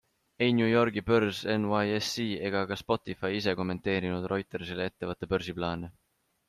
Ei New Yorgi börs NYSE ega ka Spotify ise kommenteerinud Reutersile ettevõtte börsiplaane.